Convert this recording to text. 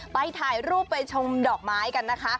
ไปถ่ายรูปไปชมดอกไม้กันนะคะ